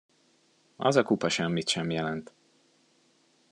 Az a kupa semmit sem jelent.